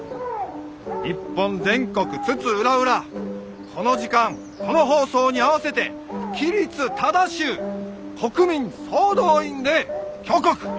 日本全国津々浦々この時間この放送に合わせて規律正しゅう国民総動員で挙国一致の精神を鍛えるんです！